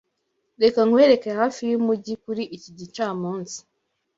Reka nkwereke hafi yumujyi kuri iki gicamunsi.